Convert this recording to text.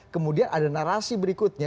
kemudian ada narasi berikutnya